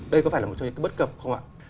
đây có phải là một trong những bất cập không ạ